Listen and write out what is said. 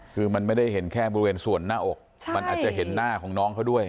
คือมันไม่ได้เห็นแค่บริเวณส่วนหน้าอกมันอาจจะเห็นหน้าของน้องเขาด้วย